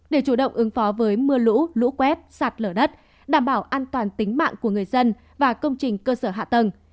để chủ động ứng phó với mưa lũ lũ quét sạt lở đất đảm bảo an toàn tính mạng của người dân và công trình cơ sở hạ tầng